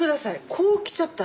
こう来ちゃった。